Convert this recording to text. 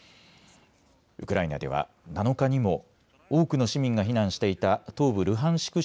ウクライナでは７日にも多くの市民が避難していた東部ルハンシク